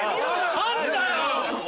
何だよ！